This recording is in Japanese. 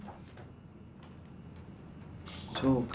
そうか。